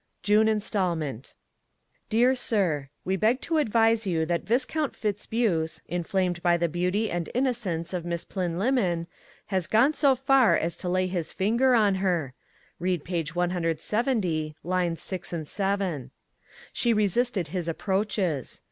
JUNE INSTALMENT Dear Sir: We beg to advise you that Viscount Fitz buse, inflamed by the beauty and innocence of Miss Plynlimmon, has gone so far as to lay his finger on her (read page 170, lines 6 7). She resisted his approaches.